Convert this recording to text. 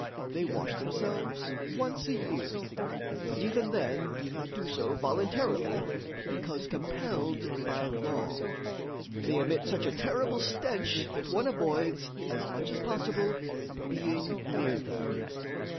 They wash themselves once a year, but even then do not do so voluntarily, but because compelled by law. They emit such a terrible stench that one avoids, as much as possible, being near them.